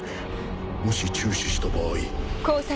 「もし中止した場合」